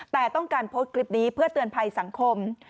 แต่ต้องการโพสต์คลิปนี้เพื่อเตือนภัยสังคม